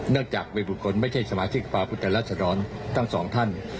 เนื่องจากวิบุรุษกรรมไม่ใช่สมาชิกภาพุทธรรมรัฐศรร้อนทั้งสองท่าน